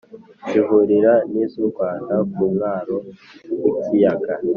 zihurira nizurwanda kumwaro wikiyaga